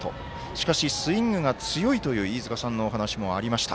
しかし、スイングが強いという飯塚さんのお話もありました。